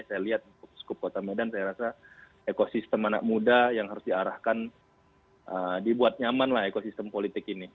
saya lihat skup kota medan saya rasa ekosistem anak muda yang harus diarahkan dibuat nyaman lah ekosistem politik ini